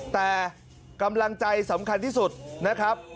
แต่กำลังใจสำคัญที่สุดนะครับ